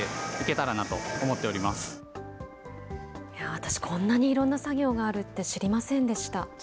私、こんなにいろんな作業があるって、知りませんでした。